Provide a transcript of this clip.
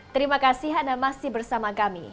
terima kasih anda masih bersama kami